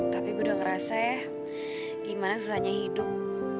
tapi gue udah ngerasa ya gimana susahnya hidup